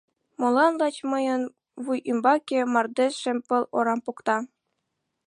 Молан лач мыйын вуй ӱмбаке Мардеж шем пыл орам покта?!